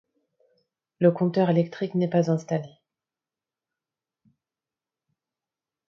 le compteur électrique n'est pas installé